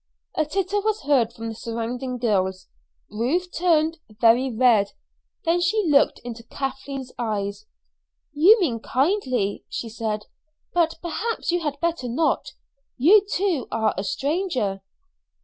A titter was heard from the surrounding girls. Ruth turned very red, then she looked into Kathleen's eyes. "You mean kindly," she said, "but perhaps you had better not. You, too, are a stranger."